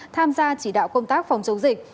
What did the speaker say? tham gia chỉ đạo công tác phòng chống dịch